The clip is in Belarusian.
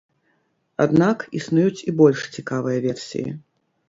Аднак існуюць і больш цікавыя версіі.